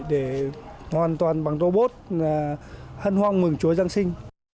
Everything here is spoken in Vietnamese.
để hoàn toàn bằng robot hân hoang mừng chuối giáng sinh